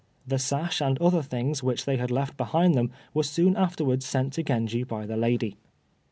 The sash and other things which they had left behind them were soon afterwards sent to Genji by the lady.